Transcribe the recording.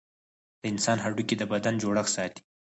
د انسان هډوکي د بدن جوړښت ساتي.